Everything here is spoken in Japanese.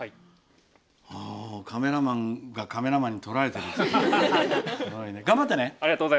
カメラマンがカメラマンに撮られてるよ。頑張ってね。